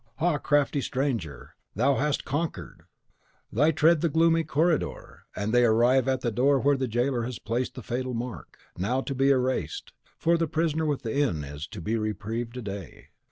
ha! crafty stranger, thou hast conquered! They tread the gloomy corridor; they arrive at the door where the jailer has placed the fatal mark, now to be erased, for the prisoner within is to be reprieved a day.